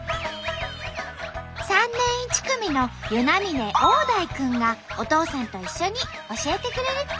３年１組の與那嶺旺大君がお父さんと一緒に教えてくれるって。